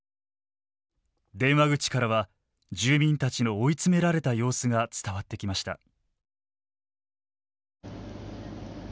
電話口からは住民たちの追い詰められた様子が伝わってきました。